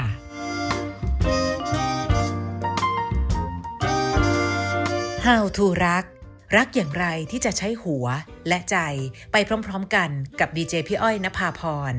โปรดติดตามตอนต่อไป